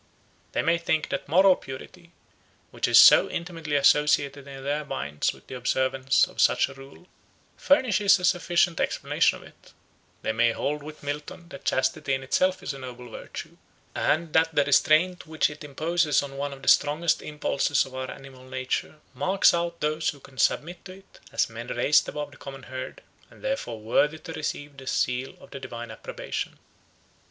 They may think that moral purity, which is so intimately associated in their minds with the observance of such a rule, furnishes a sufficient explanation of it; they may hold with Milton that chastity in itself is a noble virtue, and that the restraint which it imposes on one of the strongest impulses of our animal nature marks out those who can submit to it as men raised above the common herd, and therefore worthy to receive the seal of the divine approbation.